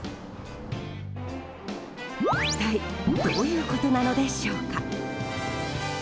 一体どういうことなのでしょうか。